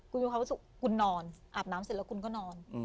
คุณคิดว่าคุณนอนอาบน้ำเสร็จแล้วคุณก็นอน